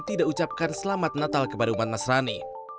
tidak ucapkan selamat natal kepada umat mas rani